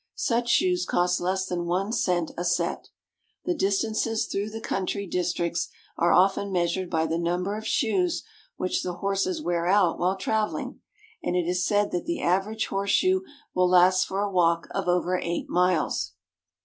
Such shoes cost less than one cent a set. The dis tances through the country districts are often measured by the number of shoes which the horses wear out while travel ing, and it is said that the average horseshoe will last for a walk of over eight miles.